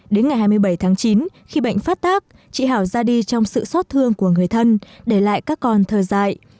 đến ngày hai mươi bảy tháng chín khi bệnh phát tác chị hảo ra đi trong sự xót thương của người thân để lại các con thơ dạy